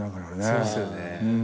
そうっすよね。